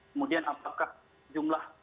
kemudian apakah jumlah